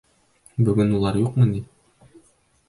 Бөгөн улар юҡмы ни?!